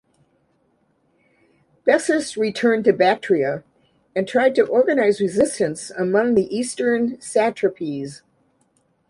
Bessus returned to Bactria and tried to organize resistance among the eastern satrapies.